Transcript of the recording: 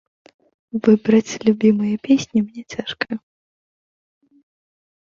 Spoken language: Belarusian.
Выбраць любімыя песні мне цяжка.